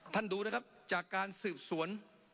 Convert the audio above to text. ดูนะครับจากการสืบสวน